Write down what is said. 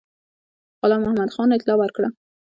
غلام محمدخان اطلاع ورکړه.